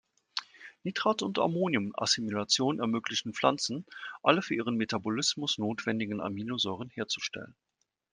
Nitrat- und Ammonium-Assimilation ermöglichen Pflanzen, alle für ihren Metabolismus notwendigen Aminosäuren herzustellen.